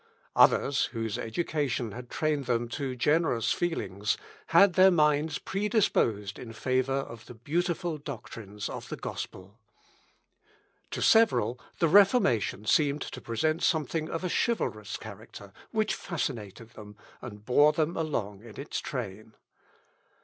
Others, whose education had trained them to generous feelings, had their minds predisposed in favour of the beautiful doctrines of the gospel. To several, the Reformation seemed to present something of a chivalrous character, which fascinated them, and bore them along in its train.